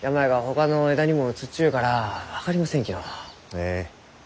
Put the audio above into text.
ええ。